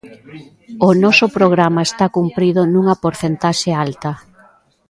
O noso programa está cumprido nunha porcentaxe alta.